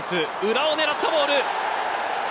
裏を狙ったボール。